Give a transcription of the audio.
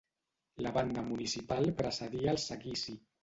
La banda municipal precedia el seguici.